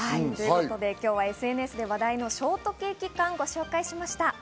今日はＳＮＳで話題のショートケーキ缶をご紹介しました。